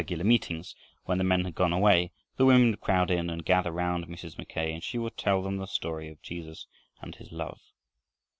Often, after the regular meetings when the men had gone away, the women would crowd in and gather round Mrs. Mackay and she would tell them the story of Jesus and his love.